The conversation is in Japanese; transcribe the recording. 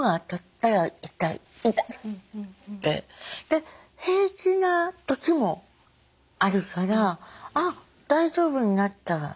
で平気なときもあるからあっ大丈夫になった